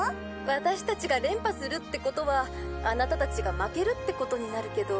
「私たちが連覇するってことはあなたたちが負けるってことになるけど」。